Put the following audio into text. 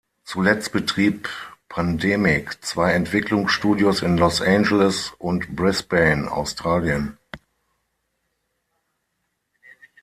Zuletzt betrieb Pandemic zwei Entwicklungsstudios in Los Angeles und Brisbane, Australien.